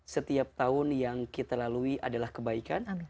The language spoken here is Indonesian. setiap tahun yang kita lalui adalah kebaikan